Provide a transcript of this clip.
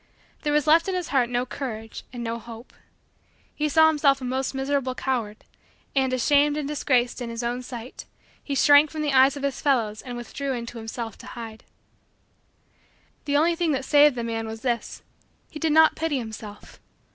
There was left in his heart no courage and no hope. He saw himself a most miserable coward, and, ashamed and disgraced in his own sight, he shrank from the eyes of his fellows and withdrew into himself to hide. And the only thing that saved the man was this: he did not pity himself.